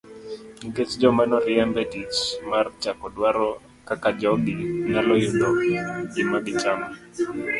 Nikech joma noriemb e tich mar chako dwaro kaka jogi nyalo yudo gima gichamo.